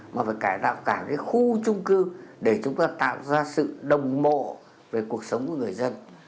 mà phải cải tạo cả cái khu trung cư để chúng ta tạo ra sự đồng bộ về cuộc sống của người dân